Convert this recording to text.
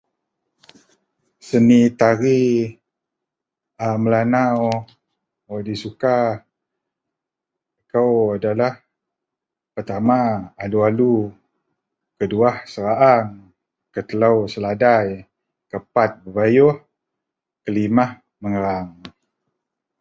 seni tari a mel; anau wak disuka kou, adalah, pertama alu-alu, keduah serahang, ketelou seladai, kepat bayuih, kelimah megareang